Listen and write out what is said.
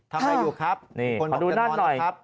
ทำอะไรอยู่ครับคนบอกจะนอนนะครับ